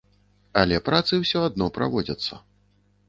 Але працы ўсё адно праводзяцца.